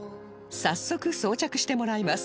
早速装着してもらいます